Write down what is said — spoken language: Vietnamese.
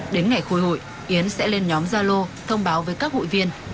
đến ngày khối hụi yến sẽ lên nhóm gia lô thông báo với các hụi viên